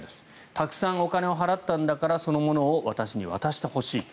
たくさんお金を払ったんだからその物を私に渡してほしい。